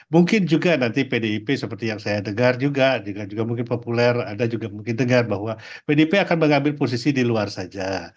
mungkin juga nanti pdip seperti yang saya dengar juga mungkin populer anda juga mungkin dengar bahwa pdip akan mengambil posisi di luar saja